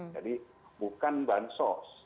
jadi bukan bansos